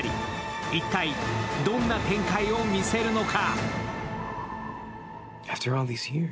一体、どんな展開を見せるのか？